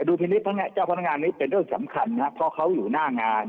พินิษฐ์เจ้าพนักงานนี้เป็นเรื่องสำคัญครับเพราะเขาอยู่หน้างาน